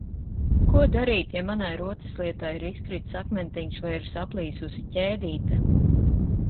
Ko darīt, ja manai rotaslietai ir izkritis akmentiņš vai ir saplīsusi ķēdīte?